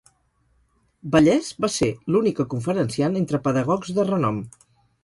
Vallès va ser l’única conferenciant entre pedagogs de renom.